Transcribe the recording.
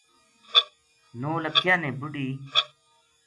نولکھیا نے بڈھی